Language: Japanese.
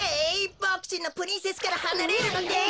ボクちんのプリンセスからはなれるのです！